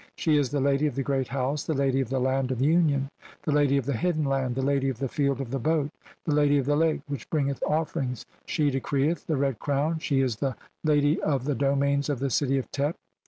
She is the lady of "the great house, the lady of the land of union, the "lady of the hidden land, the lady of the field of the "boat, the lady of the lake which bringeth offerings, "she decreeth (173) the Red Crown and she is the "lady of the domains of the city of Tep.